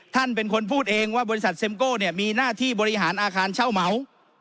ท่านเป็นคนพูดเองว่าบริษัทเซ็มโก้เนี่ยมีหน้าที่บริหารอาคารเช่าเหมา